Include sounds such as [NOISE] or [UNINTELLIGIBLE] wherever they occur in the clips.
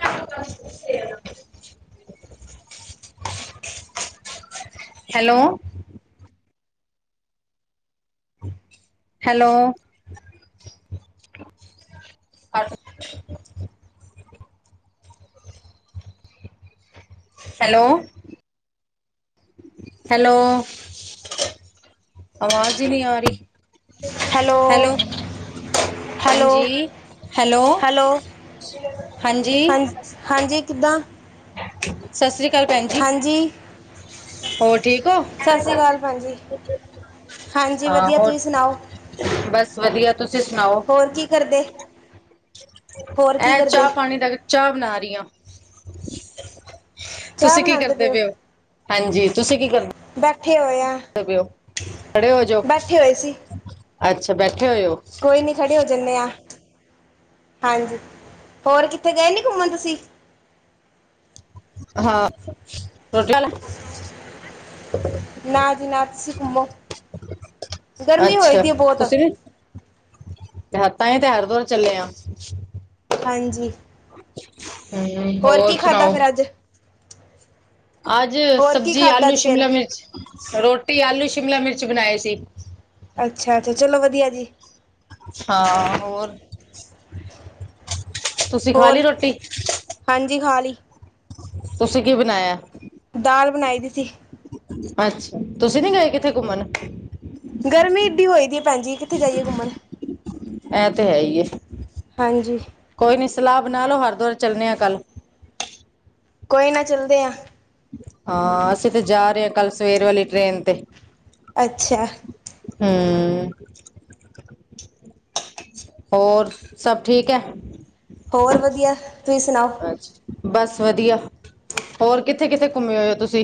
[UNINTELLIGIBLE] Hello. Hello. Hello. Hello. ਆਵਾਜ਼ ਹੀ ਨਹੀਂ ਆ ਰਹੀ, ਹੈਲੋ। ਹੈਲੋ ਹਾਂਜੀ ਹੈਲੋ। ਹਾਂਜੀ ਹਾਂ ਹਾਂਜੀ ਕਿੱਦਾਂ ਸਤਿ ਸ੍ਰੀ ਹਾਂਜੀ। ਹ [UNINTELLIGIBLE] ਹੋਰ ਠੀਕ ਹੋ ਸਤਿ ਸ਼੍ਰੀ ਅਕਾਲ ਭੈਣ ਜੀ ਹਾਂਜੀ ਹਾਂ ਵਧੀਆ ਹੋਰ ਤੁਸੀਂ ਸੁਣਾਓ ਬਸ ਵਧੀਆ ਤੁਸੀਂ ਸੁਣਾਓ। ਹੋਰ ਕੀ ਕਰਦੇ ਹੋਰ ਕੀ ਇਹ ਕਰਦੇ ਚਾਹ ਪਾਣੀ ਪਾਣੀ ਦਾ ਚਾਹ ਬਣਾ ਰਹੀ ਆ। ਤੁਸੀਂ ਕੀ ਕਰਦੇ ਪਏ ਹੋ? ਹਾਂਜੀ ਤੁਸੀਂ ਕੀ ਕਰਦੇ ਬੈਠੇ ਹੋਏ ਆਂ। ਖੜੇ ਹੋਜੋ, ਸੀ ਅੱਛਾ ਬੈਠੇ ਹੋਏ ਓ। ਕੋਈ ਨਹੀਂ ਖੜੇ ਹੋ ਜਾਂਦੇ ਹਾਂ। ਹਾਂਜੀ ਹੋਰ ਕਿੱਥੇ ਗਏ ਨਹੀਂ ਘੁੰਮਣ ਤੁਸੀਂ? ਹਾਂ ਟੋਟਲਲ। [UNINTELLIGIBLE] ਨਾ ਜੀ ਨਾ ਤੁਸੀਂ ਘੁੰਮੋ ਗਰਮੀਂ ਅੱਛਾ ਹੋਏਗੀ ਬਹੁਤ। ਤੁਸੀਂ ਵੀ ਤਾਂ ਹੀ ਤੇ ਹਰਦੁਆਰ ਚੱਲੇ ਆਂ। ਹਾਂਜੀ। ਹਮ ਹੋਰ ਕੀ ਖਾਧਾ ਸੁਣਾਓ। ਫਿਰ ਅੱਜ ਅੱਜ ਹੋਰ ਕੀ ਸਬਜ਼ੀ ਖਾਧਾ ਆਲੂ ਅੱਜ ਫਿਰ ਸ਼ਿਮਲਾ ਮਿਰਚ ਰੋਟੀ ਆਲੂ ਸ਼ਿਮਲਾ ਮਿਰਚ ਬਣਾਏ ਸੀ। ਅੱਛਾ ਤੇ ਚਲੋ ਵਧੀਆ ਜੀ। ਹਾਂ ਹੋਰ। ਤੁਸੀਂ ਖਾ ਹੋਰ ਲਈ ਰੋਟੀ ਹਾਂਜੀ ਖਾਲੀ। ਤੁਸੀ ਕੀ ਬਣਾਇਆ। ਦਾਲ ਬਣਾਈ ਦੀ ਸੀ। ਅੱਛਾ ਤੁਸੀ ਨਹੀ ਗਏ ਕਿੱਥੇ ਘੁੰਮਣ। ਗਰਮੀ ਇੱਡੀ ਹੋਏ ਦੀ ਏ ਭੈਣਜੀ ਕਿੱਥੇ ਜਾਈਏ ਘੁੰਮਣ। ਐ ਤੇ ਹੈ ਈ ਏ ਹਾਂਜੀ ਕੋਈ ਨੀ ਸਲਾਹ ਬਣਾ ਲਓ ਹਰਿਦੁਆਰ ਚੱਲਣੇ ਆ ਕੱਲ। ਕੋਈ ਨਾ ਚੱਲਦੇ ਆਂ। ਹਾ, ਅਸੀ ਤੇ ਜਾ ਰਹੇ ਆ, ਕੱਲ ਸਵੇਰ ਵਾਲੀ ਟ੍ਰੇਨ ਤੇ। ਅੱਛਾ। ਹੂੰ ਹੋਰ, ਸਭ ਠੀਕ ਹੈ? ਹੋਰ ਵਧੀਆ, ਤੁਹੀ ਸੁਣਾਓ? ਅੱਜ, ਬਸ ਵਧੀਆ ਹੋਰ ਕਿੱਥੇ-ਕਿੱਥੇ ਘੁੰਮੇ ਹੋਏ ਓ ਤੁਸੀ?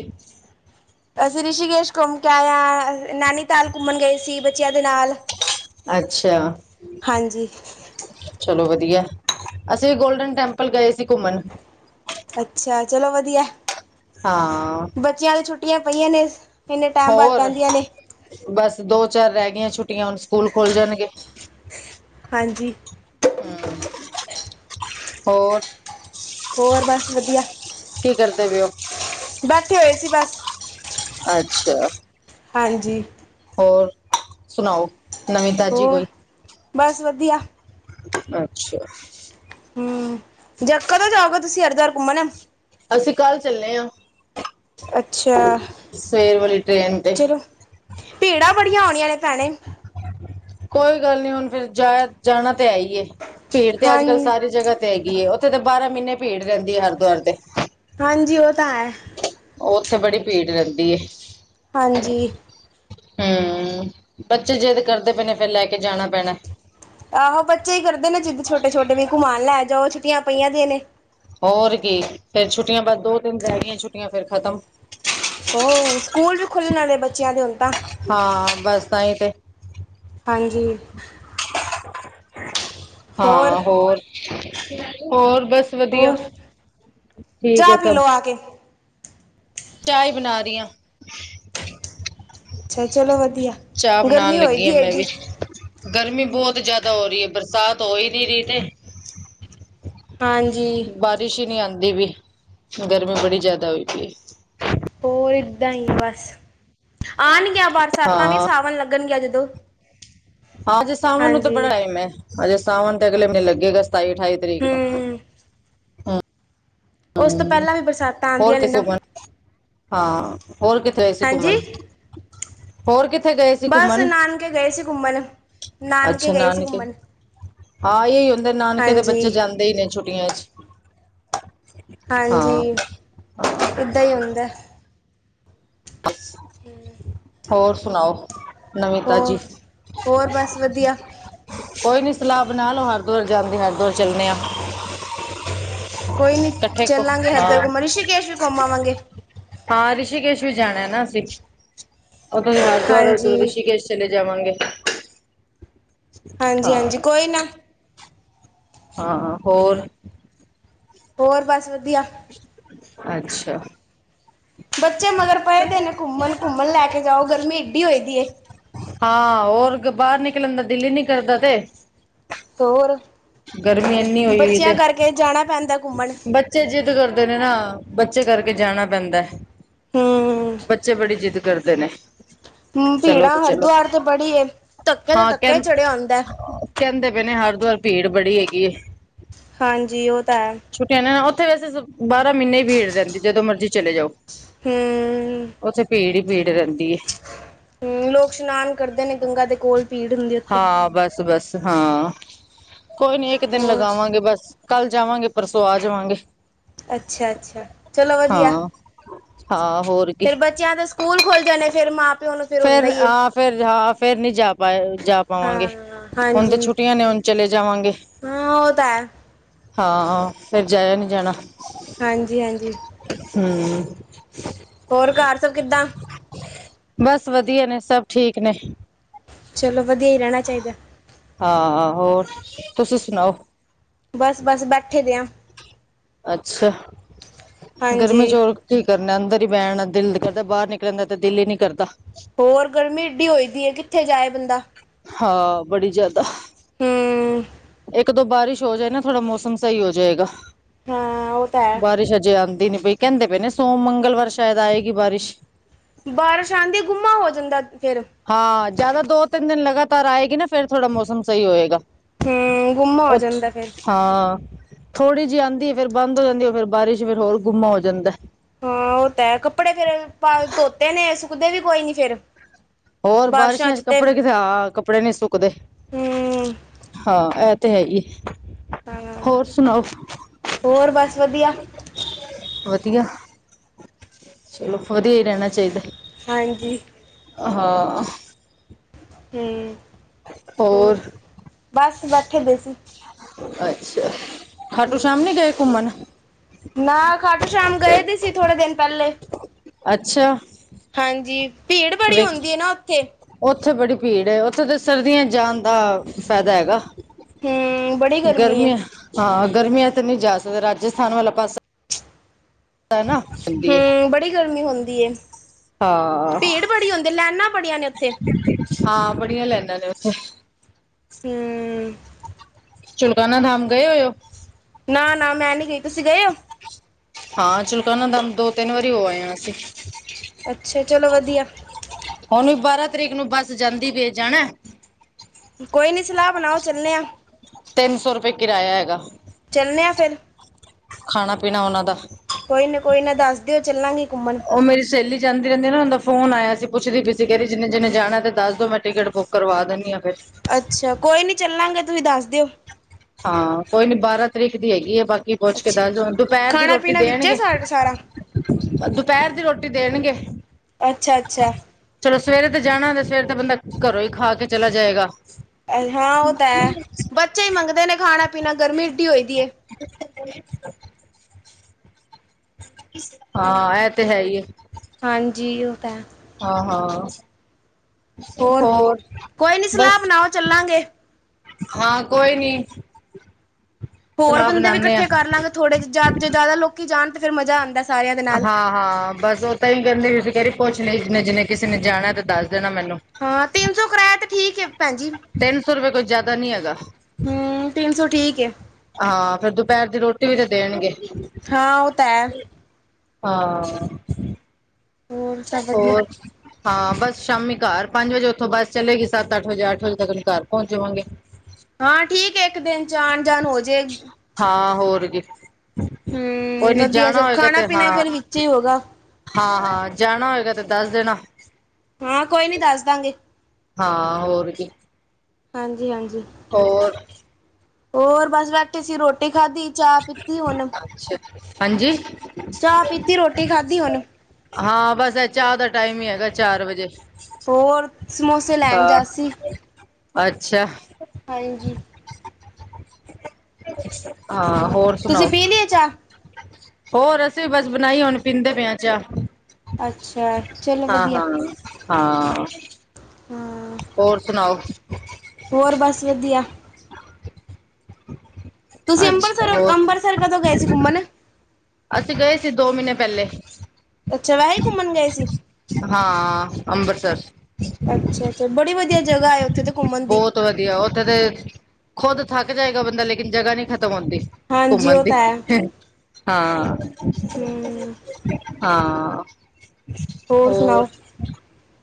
ਅਸੀਂ ਰਿਸ਼ੀਕੇਸ਼ ਘੁੰਮਕੇ ਆਏ ਆ, ਨੈਨੀਤਾਲ ਘੁੰਮਣ ਗਏ ਸੀ, ਬੱਚਿਆਂ ਦੇ ਨਾਲ। ਅੱਛਾ। ਹਾਂਜੀ। ਚਲੋ ਵਧੀਆ ਅਸੀ ਵੀ ਗੋਲਡਨ ਟੈਂਪਲ ਗਏ ਸੀ ਘੁੰਮਣ। ਅੱਛਾ ਚਲੋ ਵਧੀਆ। ਹਾਂ। ਬੱਚਿਆਂ ਦੇ ਛੁੱਟੀਆਂ ਪਈਆਂ ਨੇ। ਇੰਨੇ ਟਾਈਮ ਬਾਅਦ ਹੋਰ ਪੈਂਦੀਆਂ ਨੇ ਬਸ ਦੋ ਚਾਰ ਰਹਿ ਗਈਆਂ ਛੁੱਟੀਆਂ ਹੁਣ ਸਕੂਲ ਖੁੱਲ ਜਾਣਗੇ। ਹਾਂਜੀ। ਹਮ ਹੋਰ। ਹੋਰ ਬਸ ਵਧੀਆ। ਕੀ ਕਰਦੇ ਪਏ ਹੋ। ਬੱਠੇ ਹੋਏ ਸੀ ਬਸ। ਅੱਛਾ। ਹਾਂਜੀ। ਹੋਰ, ਸੁਣਾਓ? ਨਵੀਂ ਤਾਜ਼ੀ ਹੋਰ, ਕੋਈ? ਬਸ ਵਧੀਆ। ਅੱਛਾ। ਹੂੰ, ਜੇ ਕਦੋਂ ਜਾਓਗੇ ਤੁਸੀ ਹਰਿਦੁਆਰ ਘੁੰਮਣ। ਅਸੀਂ ਕੱਲ ਚੱਲੇ ਆਂ। ਅੱਛਾ। ਸਵੇਰ ਵਾਲੀ ਟ੍ਰੇਨ ਤੇ। ਚਲੋ ਭੀੜਾਂ ਬੜੀਆਂ ਹੋਣੀਆਂ ਨੇ ਭੈਣੇ। ਕੋਈ ਗੱਲ ਨਹੀਂ ਹੁਣ ਫੇਰ ਜਾਇਆ, ਜਾਣਾ ਤੇ ਹੈਹੀ ਏ, ਭੀੜ ਤੇ ਹਾਂ ਅੱਜ-ਕੱਲ ਸਾਰੀ ਜਗ੍ਹਾ ਹੈਗੀ ਏ, ਉੱਥੇ ਤਾ ਬਾਰਾਂ ਮ੍ਹੀਨੇ ਭੀੜ ਰਹਿੰਦੀ ਏ, ਹਰਿਦੁਆਰ ਤੇ। ਹਾਂਜੀ, ਉਹ ਤਾ ਹੈ। ਉੱਥੇ ਬੜੀ ਭੀੜ ਰਹਿੰਦੀ ਏ। ਹਾਂਜੀ। ਹੂੰ, ਬੱਚੇ ਜਿਦ ਕਰਦੇ ਪਏ ਨੇ, ਫੇਰ ਲੈਕੇ ਜਾਣਾ ਪੈਣਾ। ਆਹੋ ਬੱਚੇ ਹੀ ਕਰਦੇ ਨੇ ਜਿੱਦ ਛੋਟੇ-ਛੋਟੇ ਵੀ ਘੁਮਾਣ ਲੈ ਜਾਓ, ਛੁੱਟੀਆਂ ਪਈਆਂ ਦੇ ਨੇ। ਹੋਰ ਕੀ, ਫੇਰ ਛੁੱਟੀਆਂ ਬਸ ਦੋ-ਤਿੰਨ ਰਹਿ ਗੀਆਂ, ਛੁੱਟੀਆਂ ਫੇਰ ਖਤਮ। ਹੋਰ, ਸਕੂਲ ਵੀ ਖੁੱਲਣ ਵਾਲੇ ਬੱਚਿਆਂ ਦੇ ਹੁਣ ਤਾਂ। ਹਾਂ, ਬਸ ਤਾਂ ਈ ਤੇ। ਹਾਂਜੀ। ਹਾਂ, ਹੋਰ? ਹੋਰ ਬਸ, ਵਧੀਆ- ਹੋਰ ਠੀਕ ਚਾਹ ਪੀ ਲੋੋ, ਆ ਕੇ। ਚਾਇ ਬਣਾ ਰਹੀ ਹੈ। ਅੱਛਾ ਚਲੋ ਵਧੀਆ। ਚਾਹ ਗਰਮੀ ਬਣਾਉਣ ਹੋਈ ਲੱਗੀ ਦੀ ਹਾਂ, ਮੈਂ ਐਡੀ। ਵੀ। ਗਰਮੀ ਬਹੁਤ ਜਿਆਦਾ ਹੋ ਰਹੀ ਹੈ। ਬਰਸਾਤ ਹੋ ਹੀ ਨਹੀਂ ਰਹੀ ਤੇ ਹਾਂਜੀ ਬਾਰਿਸ਼ ਹੀ ਨਹੀਂ ਆਉਂਦੀ। ਵੀ ਗਰਮੀ ਬੜੀ ਜਿਆਦਾ ਹੋਈ ਪਈ। ਹੋਰ ਏਦਾਂ ਹੀ ਹੈ ਬਸ ਆਣਗੀਆਂ ਬਰਸਾਤਾਂ ਵੀ ਹਾਂ। ਸਾਵਣ ਲੱਗਣਗੀਆਂ ਜਦੋਂ। ਹਾਂਜੀ ਸਾਵਣ ਨੂੰ ਤਾਂ ਹਾਂਜੀ। ਬੜਾ ਟਾਇਮ ਆ ਹਜੇ ਸਾਵਣ ਤੇ ਅਗਲੇ ਮਹੀਨੇ ਲੱਗੇਗਾ ਸਤਾਈ ਅਠਾਈ ਤਰੀਕ ਨੂੰ। ਹੂੰ ਉਸ ਤੋਂ ਪਹਿਲਾਂ ਵੀ ਬਰਸਾਤਾਂ ਹੋਰ ਆਂਦੀਆਂ ਨੇ ਕਿਥੇ ਨਾ [UNINTELLIGIBLE] ਹਾਂ ਹੋਰ ਕਿੱਥੇ ਆਏ ਸੀ ਘੁੰਮਣ। ਹਾਂਜੀ। ਹੋਰ ਕਿੱਥੇ ਗਏ ਸੀ ਬਸ ਘੁੰਮਣ। ਨਾਨਕੇ ਗਏ ਸੀ ਘੁੰਮਣ ਅੱਛਾ ਗਏ ਸੀ ਨਾਨਕੇ ਘੁੰਮਣ ਹਾਂ ਇਹੀ ਹੁੰਦੇ ਨਾਨਕੇ ਤੇ ਹਾਂਜੀ ਬੱਚੇ ਜਾਂਦੇ ਹੀ ਨੇ ਛੋਟ। ਛੁਟੀਆਂ ਚ। ਹਾਂਜੀ ਹਾਂ ਇੱਦਾਂ ਹੀ ਹੁੰਦਾ। [UNINTELLIGIBLE] ਹੂੰ। ਹੋਰ ਸੁਣਾਓ ਨਵੀ ਤਾਜੀ। ਹੋਰ ਹੋਰ ਬਸ ਵਧੀਆ ਕੋਈ ਨਹੀਂ ਸਲਾਹ ਬਣਾਲੋ, ਹਰਿਦੁਆਰ ਜਾਣ ਦੀ ਹਰੀਦੁਆਰ ਚੱਲਨੇ ਆ। ਕੋਈ ਨੀ ਇਕੱਠੇ ਚੱਲਾਂਗੇ ਹਰਿਦੁਆਰ ਘੁੰਮਣ, ਰਿਸ਼ੀਕੇਸ਼ ਵੀ ਘੁੰਮ ਆਵਾਂਗੇ। ਹਾ, ਰਿਸ਼ੀਕੇਸ਼ ਵੀ ਜਾਣਾ ਨਾ ਅਸੀਂ, ਉਦੋਂ ਵੀ ਹਰਿਦੁਆਰ ਉਧਰੋ ਹਾਂਜੀ ਰਿਸ਼ੀਕੇਸ਼। ਚਲੇ ਜਾਵਾਂਗੇ। ਹਾਂ ਹਾਂਜੀ-ਹਾਂਜੀ, ਕੋਈ ਨਾ। ਹਾਂ- ਹਾਂ, ਹੋਰ ਹੋਰ ਬਸ, ਵਧੀਆ- ਅੱਛਾ, ਬੱਚੇ ਮਗਰ ਪਏਦੇ ਨੇ ਘੁੰਮਣ, ਘੁੰਮਣ ਲੈ ਕੇ ਜਾਓ ਗਰਮੀ ਏਡੀ ਹੋਏ ਦੀ ਹਾਂ ਹੋਰ ਬਾਹਰ ਨਿਕਲਣ ਦਾ ਦਿੱਲੀ ਨੀ ਕਰਦਾ ਤੇ ਹੋਰ ਗਰਮੀ ਇੰਨੀ ਹੋਈ ਹੋਈ ਬੱਚਿਆਂ ਤੇ ਕਰਕੇ ਜਾਣਾ ਪੈਂਦਾ ਘੁੰਮਣ ਬੱਚੇ ਜਿੱਦ ਕਰਦੇ ਨੇ ਨਾ ਬੱਚੇ ਕਰਕੇ ਜਾਣਾ ਪੈਂਦਾ। ਹੂੰ ਬੱਚੇ ਬੜੀ ਜਿੱਦ ਕਰਦੇ ਨੇ। ਚਲੋ ਭੀੜਾ ਤੇ ਚਲੋ ਹਰਿਦੁਆਰ ਤੇ ਬੜੀ ਐ ਧੱਕੇ ਤੇ ਹਾਂ ਧੱਕੇ ਹੀ ਕਹਿੰ ਚੜਿਆ ਹੁੰਦਾ। ਕਹਿੰਦੇ ਪਏ ਨੇ ਹਰਦੁਆਰ ਭੀੜ ਬੜੀ ਹੈਗੀ ਐ। ਹਾਂਜੀ ਉਹ ਤਾਂ ਹੈ। ਛੁੱਟੀਆਂ ਨੇ ਨਾ ਉੱਥੇ ਵੈਸੇ ਬਾਰ ਮਹੀਨੇ ਹੀ ਭੀੜ ਰਹਿੰਦੀ ਜਦੋਂ ਮਰਜ਼ੀ। ਚਲੇ ਜਾਓ ਹੂੰ, ਉੱਥੇ ਭੀੜ ਹੀ ਭੀੜ ਰਹਿੰਦੀ ਐ। ਹੂੰ ਲੋਕ ਇਸ਼ਨਾਨ ਕਰਦੇ ਨੇ ਗੰਗਾ ਦੇ ਕੋਲ। ਭੀੜ ਹੁੰਦੀ ਉੱਥੇ। ਹਾਂ ਬਸ ਬਸ ਹਾਂ ਕੋਈ ਨੀ ਇੱਕ ਦਿਨ ਹੋਰ ਲਗਾਵਾਂਗੇ ਬਸ। ਕੱਲ ਜਾਵਾਂਗੇ ਪਰਸੋਂ ਆ ਜਾਵਾਂਗੇ। ਅੱਛਾ ਅੱਛਾ ਚਲੋ ਵਧੀਆ। ਹਾਂ। ਹਾਂ ਹੋਰ। ਕੀ ਫੇਰ ਬੱਚਿਆਂ ਦੇ ਸਕੂਲ ਖੁੱਲ ਜਾਣੇ ਫੇਰ ਮਾਂ ਪਿਓ ਨੂੰ ਫੇਰ ਹੁੰਦਾ ਫਰ ਹੀ ਏ। ਆਹ ਫਿਰ ਹਾਂ ਫੇਰ ਨੀ ਜਾ ਪਾ ਜਾ ਪਾਵਾਂਗੇ ਹਾਂ ਹੁਣ ਤੇ ਛੁੱਟੀਆਂ ਨੇ ਹੁਣ। ਚਲੇ ਜਾਵਾਂਗੇ। ਹਾ, ਓ ਤਾਂ ਹੈ। ਹਾਂ, ਫਿਰ ਜਾਇਆ ਨੀ ਜਾਣਾ। ਹਾਂਜੀ ਹਾਂਜੀ। ਹੂੰ। ਹੋਰ, ਘਰ ਸਭ ਕਿੱਦਾਂ? ਬਸ, ਵਧੀਆ ਨੇ, ਸਭ ਠੀਕ ਨੇ। ਚਲੋ, ਵਧੀਆ ਹੀ ਰਹਿਣਾ ਚਾਹੀਦਾ। ਹਾਂ, ਹੋਰ ਤੁਸੀ ਸੁਣਾਓ? ਬਸ, ਬਸ ਬੈਠੇ ਦੇ ਆ। ਅੱਛਾ। ਹਾਂਜੀ। ਗਰਮੀ ਚ ਔਰ ਕੀ ਕਰਨਾ, ਅੰਦਰ ਹੀ ਬਹਿਣਣਾ ਦਿਲ ਕਰਦਾ, ਬਾਹਰ ਨਿਕਲਣ ਦਾ ਤੇ ਦਿਲ ਹੀ ਨੀ ਕਰਦਾ। ਹੋਰ, ਗਰਮੀ ਏਡੀ ਹੋਈ ਪਈ ਹੈ, ਕਿੱਥੇ ਜਾਏ ਬੰਦਾ? ਹਾਂ, ਬੜੀ ਜ਼ਿਆਦਾ। ਹੂੰ। ਇੱਕ, ਦੋ ਬਾਰਿਸ਼ ਹੋ ਜਾਏ ਨਾ ਥੋੜਾ ਮੌਸਮ ਸਹੀ ਹੋ ਜਾਏਗਾ। ਹਾਂ ਉਹ ਤਾਂ ਹੈ ਬਾਰਿਸ਼ ਅਜੇ ਆਉਂਦੀ ਨੀ ਪਈ, ਕਹਿੰਦੇ ਪਏ ਨੇ ਸੋਮ, ਮੰਗਲਵਾਰ ਸ਼ਾਇਦ ਆਏਗੀ ਬਾਰਿਸ਼। ਬਾਰਿਸ਼ ਆਉਂਦੀ, ਗੁੰਮਾ ਹੋ ਜਾਂਦਾ ਫਿਰ। ਹਾਂ, ਜਿਆਦਾ ਦੋ ਤਿੰਨ ਦਿਨ ਲਗਾਤਾਰ ਆਏਗੀ ਨਾ ਫੇਿਰ ਥੋੜਾ ਮੌਸਮ ਸਹੀ ਹੋਏਗਾ। ਹੂੰ, ਗੁਮਾ ਹੋ ਜਾਂਦਾ ਫੇਰ। ਹਾਂ, ਥੋੜ੍ਹੀ ਜਿਹੀ ਆਉਂਦੀ ਫੇਰ ਬੰਦ ਹੋ ਜਾਂਦੀ ਫਿਰ ਬਾਰਿਸ਼ ਫਿਰ ਹੋਰ ਗੁੰਮਾ ਹੋ ਜਾਂਦਾ ਏ। ਹਾਂ, ਉਹ ਤਾਂ ਹੈ ਕੱਪੜੇ ਫੇਰ ਧੋਤੇ ਨੇ ਸੁੱਕਦੇ ਵੀ ਕੋਈ ਨੀ ਫੇਿਰ। ਹੋਰ, ਬਾਰਿਸ਼ਾਂ ਚ ਕੱਪੜੇ ਹਾਂ, ਕੱਪੜੇ ਨੀ ਸੁੱਕਦੇ ਹੂੰ ਹਾਂ, ਇਹ ਤੇ ਹੈ ਹੀ। ਹਾਂ ਹੋਰ ਸੁਣਾਓ? ਹੋਰ ਬਸ ਵਧੀਆ ਵਧੀਆ, ਚਲੋ ਵਧੀਆ ਹੀ ਰਹਿਣਾ ਚਾਹੀਦਾ। ਹਾਂਜੀ। ਹਾਂ। ਹੂੰ। ਹੋਰ, ਬਸ ਬੈਠੇ ਦੇ ਸੀ ਅੱਛਾ। ਖਾਟੂ ਸ਼ਾਮ ਨੀ ਗਏ ਘੁੰਮਣ? ਨਾ, ਖ਼ਾਟੂੰ ਸ਼ਾਮ ਗਏ ਦੀ ਸੀ, ਥੋੜੇ ਦਿਨ ਪਹਿਲੇ। ਅੱਛਾ ਹਾਂਜੀ, ਭੀੜ ਬੜੀ ਵੇਖ ਹੁੰਦੀ ਆ ਨਾ ਉੱਥੇ। ਉੱਥੇ ਬੜੀ ਭੀੜ ਏ ਉੱਥੇ ਤੇ ਸਰਦੀਆਂ ਜਾਣ ਦਾ ਫਾਇਦਾ ਹੈਗਾ, ਹੂੰ ਬੜੀ ਗਰਮੀ ਹੈ ਗਰਮੀਆਂ ਹਾਂ, ਗਰਮੀਆ ਚ ਤੇ ਨਹੀਂ ਜਾ ਸਕਦਾ। ਰਾਜਸਥਾਨ ਵਾਲਾ ਪਾਸ ਨਾ [UNINTELLIGIBLE] [UNINTELLIGIBLE] ਹੂੰ ਬੜੀ ਗਰਮੀ ਹੁੰਦੀ ਹੈ ਹਾਂ, ਭੀੜ ਬੜੀ ਹੁੰਦੀ ਲਾਈਨਾਂ ਬੜੀਆਂ ਨੇ ਉੱਥੇ ਹਾਂ ਬੜੀਆਂ ਲੈਨਾ ਨੇ ਉੱਥੇ। ਹੂੰ। ਚੁਲਕਾਨਾ ਧਾਮ ਗਏ ਹੋ? ਨਾ, ਨਾ ਮੈਂ ਨੀ ਗਈ, ਤੁਸੀਂ ਗਏ ਹੋ? ਹਾਂ, ਚੁਲਕਾਨਾ ਧਾਮ ਦੋ ਤਿੰਨ ਵਾਰੀ ਹੋ ਆਏ ਆ ਅਸੀਂ। ਅੱਛਾ, ਚਲੋ ਵਧੀਆ। ਹੁਣ ਵੀ, ਬਾਰਾਂ ਤਰੀਕ ਨੂੰ ਬੱਸ ਜਾਂਦੀ ਪੇ, ਜਾਣਾ? ਕੋਈ ਨੀ, ਸਲਾਹ ਬਣਾਓ ਚੱਲਨੇ ਹਾਂ। ਤਿੰਨ ਸੌ ਰੁਪਏ ਕਿਰਾਇਆ ਹੈਗਾ। ਚੱਲਣੇ ਹਾਂ ਫਿਰ। ਖਾਣਾ ਪੀਣਾ ਉਹਨਾਂ ਦਾ। ਕੋਈ ਨਾ ਕੋਈ ਨਾ ਦੱਸ ਦਿਓ, ਚੱਲਾਂਗੇ ਘੁੰਮਣ। ਉਹ ਮੇਰੀ ਸੇਲੀ ਜਾਂਦੀ ਰਹਿੰਦੀ ਨਾ ਹੁੰਦਾ ਫੋਨ ਆਇਆ ਸੀ ਪੁੱਛਦੀ ਪਈ ਸੀ, ਕਹ ਰੀ ਜਿੰਨੇ ਜਿਨੇ ਜਾਣਾ ਤੇ ਦੱਸ ਦੋ, ਮੈਂ ਟਿਕਟ ਬੁੱਕ ਕਰਵਾ ਦਿੰਦੀ ਹ ਫ਼ਿਰ। ਅੱਛਾ, ਕੋਈ ਨਹੀਂ ਚੱਲਾਂਗੇ ਤੁਸੀਂ ਦੱਸ ਦਿਓ। ਹਾਂ, ਕੋਈ ਨੀ ਬਾਰਾਂ ਤਰੀਕ ਦੀ ਹੈਗੀ ਆ ਬਾਕੀ ਪੁੱਛ ਕੇ ਅੱਛਾ ਦੱਸ ਦੋ ਦੁਪਹਿਰ ਦੀ ਖਾਣਾ ਰੋਟੀ ਪੀਣਾ ਵਿੱਚ ਹੈ ਦੇਣਗੇ। ਸਾ ਸਾਰਾ ਦੁਪਹਿਰ ਦੀ ਰੋਟੀ ਦੇਣਗੇ ਅੱਛਾ ਅੱਛਾ ਚਲੋ ਸਵੇਰੇ ਤੇ ਜਾਣਾ ਤੇ ਸਵੇਰੇ ਤੇ ਬੰਦਾ ਘਰੋਂ ਹੀ ਖਾ ਕੇ ਚਲਾ ਜਾਏਗਾ ਹਾਂ ਉਹ ਤਾਂ ਹੈ ਬੱਚੇ ਹੀ ਮੰਗਦੇ ਨੇ ਖਾਣਾ ਪੀਣਾ ਗਰਮੀ ਏਡੀ ਹੋਈ ਦੀ ਹਾਂ ਇਹ ਤੇ ਹੈ ਹੀ ਆ ਹਾਂਜੀ ਉਹ ਤਾਂ ਹਾਂ ਹਾਂ ਹੋਰ ਕੋਈ ਨਹੀਂ ਸਲਾਹ ਬਸ ਬਣਾਓ ਚੱਲਾਂਗੇ ਹਾਂ ਕੋਈ ਨੀ ਹੋਰ ਸਲਾਹ ਬੰਦੇ ਵੀ ਬਣਾਨੇ ਇਕੱਠੇ ਆ ਕਰ ਲਾਂਗੇ ਥੋੜੇ ਜ਼ਿਆਦਾ ਲੋਕੀ ਜਾਣ ਤੇ ਫਿਰਰ ਮਜ਼ਾ ਆਉਂਦਾ ਸਾਰਿਆਂ ਦੇ ਨਾਲ ਹਾਂ ਹਾਂ ਬਸ ਉਹ ਤਾਂ ਹੀ ਕਹਿੰਦੇ ਵੀ ਤੁਸੀਂ ਕਹਿ ਰ ਪੁੱਛਣੇ ਜਿੰਨੇ ਜਿੰਨੇ ਕਿਸੇ ਨੇ ਜਾਣਾ ਤੇ ਦੱਸ ਦੇਣਾ ਮੈਨੂੰ ਹਾਂ ਤਿੰਨ ਸੌ ਕਰਾਇਆ ਤੇ ਠੀਕ ਹੈ ਭੈਣਜੀ ਤਿੰਨ ਸੌ ਰੁਪਏ ਕੁਛ ਜ਼ਿਆਦਾ ਨਹੀਂ ਹੈਗਾ ਹਮ ਤਿੰਨ ਸੌ ਠੀਕ ਹੈ ਹਾਂ ਫਰ ਦੁਪਹਿਰ ਦੀ ਰੋਟੀ ਵੀ ਤੇ ਦੇਣਗੇ ਹਾਂ ਉਹ ਤਾਂ ਹੈ। ਹਾਂ। ਹੋਰ ਸਭ ਵਧੀਆ ਹੋਰ। ਹਾਂ ਬਸ ਸ਼ਾਮੀ ਘਰ ਪੰਜ ਵਜੇ ਉੱਥੋਂ ਬੱਸ ਚਲੇਗੀ, ਸੱਤ ਅੱਠ ਵਜੇ ਅੱਠ ਵਜੇ ਤੱਕ ਘਰ ਪਹੁੰਚ ਜਾਵਾਂਗੇ। [INAUDIBLE] [UNINTELLIGIBLE] ਹਾਂ ਠੀਕ ਹੈ, ਇੱਕ ਦਿਨ ਚ ਆਉਣ ਜਾਣ ਹੋਜੇ। ਹਾਂ ਹੋਰ ਗ ਕੋਈ ਹਮ ਨੀ ਵਧੀਆ ਜਾਣਾ ਸਭ ਹੋਏਗਾ, ਖਾਣਾ ਤੇ ਪੀਣਾ ਫਿਰ ਵਿੱਚ ਹਾਂ। ਹੀ ਹੋਗਾ ਹਾਂ ਹਾਂ ਜਾਣਾ ਹੋਏਗਾ, ਤੇ ਦੱਸ ਦੇਣਾ। ਹਾਂ ਕੋਈ ਨੀ ਦੱਸ ਦਾਂਗੇ। ਹਾਂ ਹੋਰ ਵੀ ਹਾਂਜੀ ਹਾਂਜੀ ਹੋਰ ਹੋਰ ਬਸ ਬੈਠੇ ਸੀ ਰੋਟੀ ਖਾਧੀ ਚਾਹ ਪੀਤੀ ਹੁਣ ਅੱਛਾ ਹਾਂਜੀ ਚਾਹ ਪੀਤੀ ਰੋਟੀ ਖਾਧੀ ਉਹਨ ਹਾਂ ਬਸ ਇਹ ਚਾਹ ਦਾ ਟਾਈਮ ਹੀ ਹੈਗਾ ਚਾਰ ਵਜੇ ਹੋਰ ਸਮੋਸੇ ਲੈਣ ਹਾਂ ਜਾ ਸੀ ਅੱਛਾ ਹਾਂਜੀ ਹਾਂ ਹੋਰ ਤੁਸੀਂ ਸੁਣਾਓ ਪੀ ਲਈ ਚਾਹ ਹੋਰ ਅਸੀਂ ਵੀ ਬਸ ਬਣਾਈ, ਹੁਣ ਪੀਂਦੇ ਪਏ ਚਾਹ। ਅੱਛਾ। ਚਲੋ ਹਾਂ ਵਧੀਆ ਹਾਂ ਹਾਂ। ਹਾਂ। ਹੋਰ ਸੁਣਾਓ। ਹੋਰ ਬਸ ਵਧੀਆ। ਤੁਸੀਂ ਅੱਛਾ। ਅੰਮ੍ਰਿਤਸਰ ਹੋਰ ਅੰਮ੍ਰਤਸਰ, ਕਦੋਂ ਗਏ ਸੀ ਘੁੰਮਣ। ਅਸੀਂ ਗਏ ਸੀ, ਦੋ ਮਹੀਨੇ ਪਹਿਲੇ। ਅੱਛਾ ਵੈ ਹੀ ਘੁੰਮਣ ਗਏ ਸੀ। ਹ ਅਮਿਤਸਰ ਅੱਛਾ ਅੱਛਾ ਬੜੀ ਵਧੀਆ ਜਗਾ ਆਏ ਉੱਥੇ ਤਾਂ ਘੁੰਮਣ ਦੀ ਬਹੁਤ ਵਧੀਆ ਉੱਥੇ ਤੇ ਖੁਦ ਥੱਕ ਜਾਏਗਾ, ਬੰਦਾ ਲੇਕਿਨ ਜਗ੍ਹਾ ਨਹੀਂ ਖਤਮ ਹੁੰਂਦੀ। ਹਾਂਜੀ ਘੁੰਮਣ ਉਹ ਦੀ। ਤਾਂ ਹੈ ਹਾਂ ਹੂੰ, ਹਾਂ। ਹੋਰ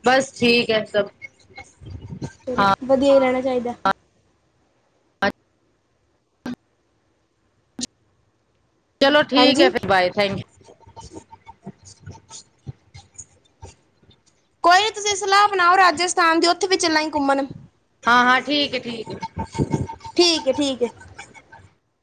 ਬਸ ਠੀਕ ਹੈ ਸਭ। ਚਲੋ, ਹਾਂ ਬਦੀਆ ਈ ਰੈਣਾ ਚਾਈਦਾ। ਚਲੋ ਠੀਕ ਐ, ਹਾਂਜੀ, ਫੇਰ ਬਾਏ ਥੈਂਕ ਕੋਈ ਨੀ ਤੁਸੀਂ ਸਲਾਅ ਬਨਾਓ ਰਾਜਸਥਾਨ ਦੀ, ਓਥੇ ਵੀ ਚੱਲਾਂਗੇ ਘੁੰਮਨ। ਹਾਂ-ਹਾਂ ਠੀਕ ਏ, ਠੀਕ ਏ। ਠੀਕ ਏ, ਠੀਕ ਏ।